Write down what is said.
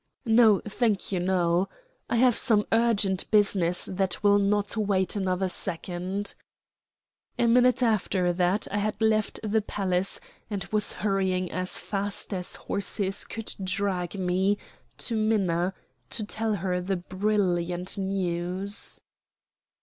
"No, thank you. No. I have some urgent business that will not wait another second." A minute after that I had left the palace, and was hurrying as fast as horses could drag me to Minna to tell her the brilliant news.